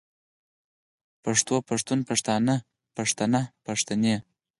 پښتو پښتون پښتانۀ پښتنه پښتنې